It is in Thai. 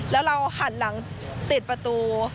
แล้วเราหันหลังติดประตู